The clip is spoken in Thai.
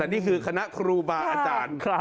นี่คือคณะครูบาอาจารย์